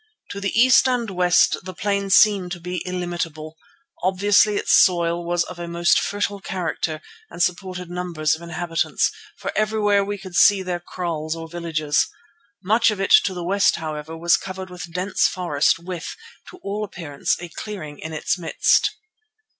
To the east and west the plain seemed to be illimitable. Obviously its soil was of a most fertile character and supported numbers of inhabitants, for everywhere we could see their kraals or villages. Much of it to the west, however, was covered with dense forest with, to all appearance, a clearing in its midst.